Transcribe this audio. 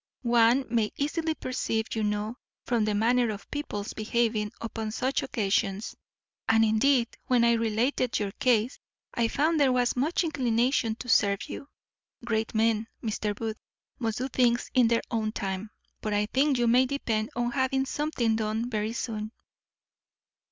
One may easily perceive, you know, from the manner of people's behaving upon such occasions; and, indeed, when I related your case, I found there was much inclination to serve you. Great men, Mr. Booth, must do things in their own time; but I think you may depend on having something done very soon."